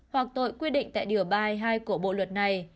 hoặc tội quy định tại điều ba trăm hai mươi hai của bộ luật này